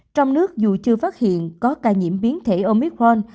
trong nước dù chưa phát hiện có ca nhiễm biến thể ôn biết khoan